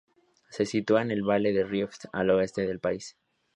Se sitúa en el valle del Rift, al oeste del país.